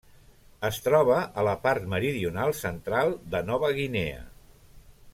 Es troba a la part meridional central de Nova Guinea.